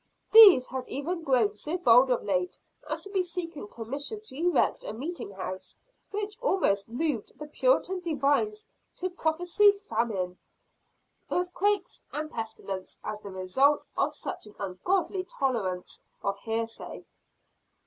These had even grown so bold of late, as to be seeking permission to erect a meeting house; which almost moved the Puritan divines to prophesy famine, earthquakes and pestilence as the results of such an ungodly toleration of heresy.